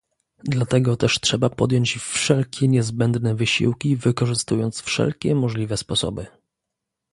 Dlatego też trzeba podjąć wszelkie niezbędne wysiłki, wykorzystując wszelkie możliwe sposoby